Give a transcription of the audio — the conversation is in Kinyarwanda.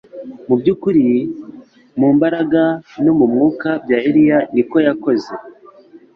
Mu by'ukuri mu mbaraga no :mu mwuka bya Eliya ni ko yakoze,